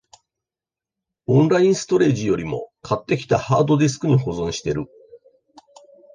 オンラインストレージよりも、買ってきたハードディスクに保存してる